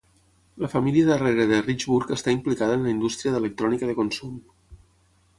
La família darrere de Richburg està implicada en la indústria d'electrònica de consum.